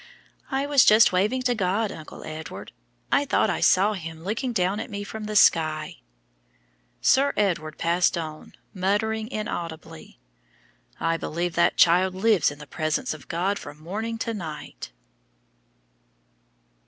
"I was just waving to God, Uncle Edward. I thought I saw Him looking down at me from the sky." Sir Edward passed on, muttering inaudibly, "I believe that child lives in the presence of God from morning to night".